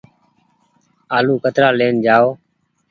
آلو ڪترآ لين جآئو۔